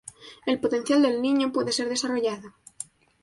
El potencial del niño puede ser desarrollado.